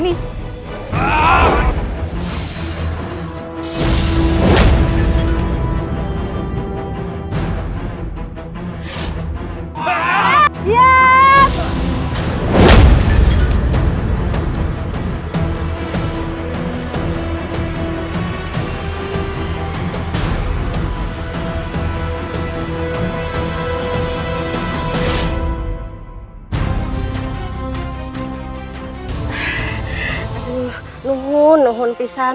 nungun nungun pisan